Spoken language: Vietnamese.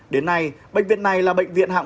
đến nay bệnh viện này là bệnh viện đại dịch